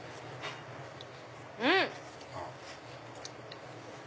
うん！